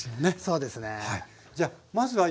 そうですね。